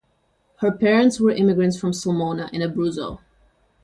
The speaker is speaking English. Her parents were immigrants from Sulmona in Abruzzo.